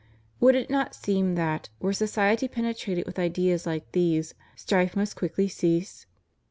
Would it not seem that, were society penetrated with ideas like these, strife must quickly cease?